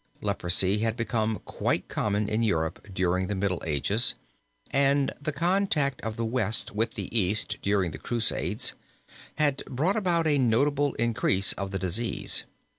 Leprosy had become quite common in Europe during the Middle Ages, and the contact of the West with the East during the Crusades had brought about a notable increase of the disease.